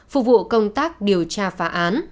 phục vụ công tác điều tra phá án